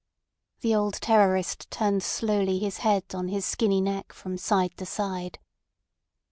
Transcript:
The old terrorist turned slowly his head on his skinny neck from side to side.